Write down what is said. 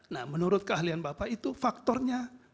nah menurut keahlian bapak itu faktornya